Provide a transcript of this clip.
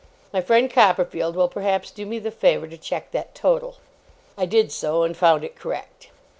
My friend Copperfield will perhaps do me the favour to check that total?' I did so and found it correct.